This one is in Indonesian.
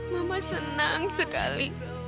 mama senang sekali